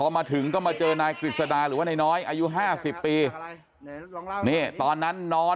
มาถึงก็มาเจอนายกฤษดาหรือว่านายน้อยอายุ๕๐ปีนี่ตอนนั้นนอน